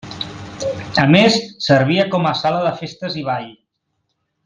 A més, servia com a sala de festes i ball.